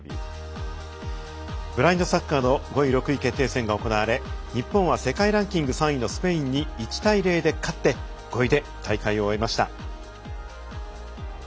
ブラインドサッカーの５位６位決定戦が行われ日本は世界ランキング３位のスペインに１対０で勝って５位で大会を終えました。